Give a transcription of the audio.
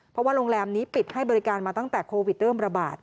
เพราะว่าโรงแรมนี้ปิดให้บริการมาตั้งแต่โควิดเริ่มระบาด